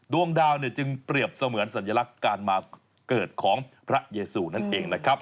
ดวงดาวเนี่ยจึงเปรียบเสมือนสัญลักษณ์การมาเกิดของพระเยซูนั่นเองนะครับ